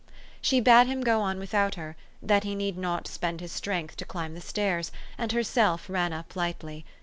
She bade him go on without her, that he need not spend his strength to climb the stairs ; and herself ran up lightly.